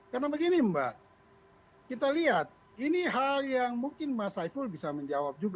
karena begini mbak kita lihat ini hal yang mungkin mas saiful bisa menjawab